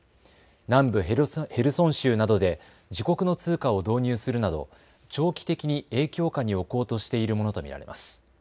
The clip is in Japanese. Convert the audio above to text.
南部ヘルソン州などで自国の通貨を導入するなど長期的に影響下に置こうとしているものと見られます。